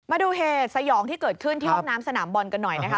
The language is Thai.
มาดูเหตุสยองที่เกิดขึ้นที่ห้องน้ำสนามบอลกันหน่อยนะคะ